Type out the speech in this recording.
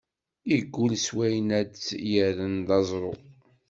Iggul s wayen ar ad t-yerren d aẓru.